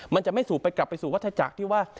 มันจะไม่สูบไปกลับไปสู่วัฒจักรที่ว่า